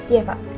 ada apa ya